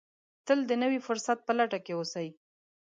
تل د نوي فرصت په لټه کې اوسئ.